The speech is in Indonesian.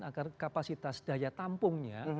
agar kapasitas daya tampungnya